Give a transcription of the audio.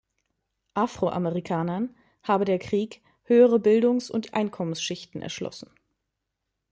Afroamerikanern habe der Krieg höhere Bildungs- und Einkommensschichten erschlossen.